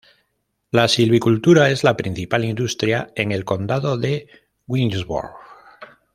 La silvicultura es la principal industria en el Condado de Williamsburg.